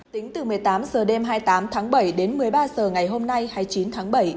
tính từ một mươi tám h đêm hai mươi tám tháng bảy đến một mươi ba h ngày hôm nay hai mươi chín tháng bảy